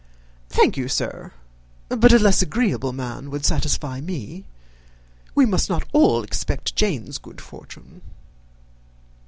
"Thank you, sir, but a less agreeable man would satisfy me. We must not all expect Jane's good fortune."